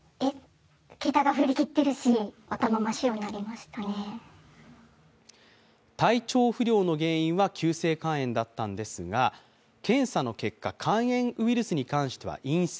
すると体調不良の原因は急性肝炎だったんですが検査の結果、肝炎ウイルスに関しては陰性。